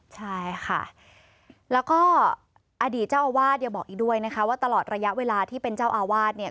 ใช่ค่ะแล้วก็อดีตเจ้าอาวาสยังบอกอีกด้วยนะคะว่าตลอดระยะเวลาที่เป็นเจ้าอาวาสเนี่ย